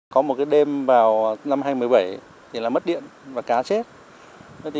có một đêm vào năm hai nghìn một mươi bảy thì mất điện và cá chết